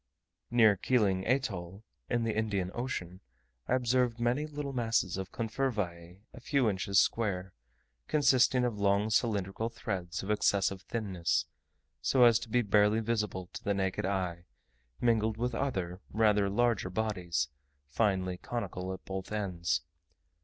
Near Keeling Atoll, in the Indian Ocean, I observed many little masses of confervae a few inches square, consisting of long cylindrical threads of excessive thinness, so as to be barely visible to the naked eye, mingled with other rather larger bodies, finely conical at both ends.